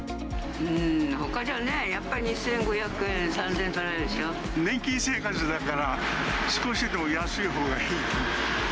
ほかじゃね、やっぱ２５００年金生活だから、少しでも安いほうがいい。